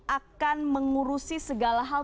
akan mengurusi segala hal